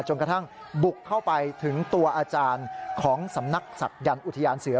กระทั่งบุกเข้าไปถึงตัวอาจารย์ของสำนักศักดิ์อุทยานเสือ